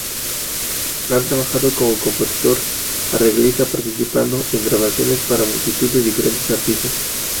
Ha trabajado como compositor-arreglista participando en grabaciones para multitud de diferentes artistas.